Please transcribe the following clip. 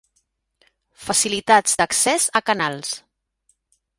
Facilitats d'accés a canals.